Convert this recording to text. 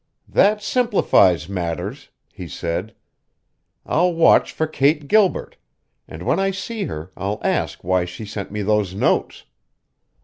"That simplifies matters," he said. "I'll watch for Kate Gilbert, and when I see her I'll ask why she sent me those notes.